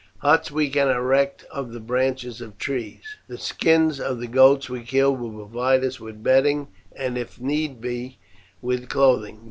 Huts we can erect of the branches of trees, the skins of the goats we kill will provide us with bedding, and if needs be with clothing.